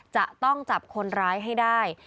จะต้องจับคนร้ายให้ได้